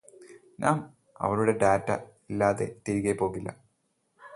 നാം അവളുടെ ഡാറ്റ ഇല്ലാതെ തിരികെ പോകില്ല